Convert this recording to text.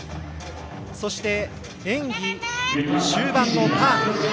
そして、演技終盤のターン。